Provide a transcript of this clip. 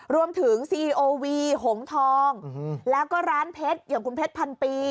ซีโอวีหงทองแล้วก็ร้านเพชรอย่างคุณเพชรพันปี